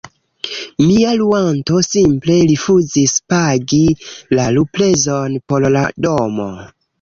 mia luanto simple rifuzis pagi la luprezon por la domo